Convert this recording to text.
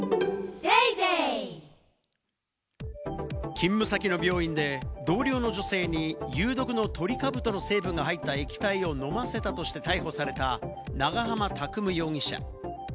勤務先の病院で同僚の女性に有毒のトリカブトの成分が入った液体を飲ませたとして逮捕された、長浜拓夢容疑者。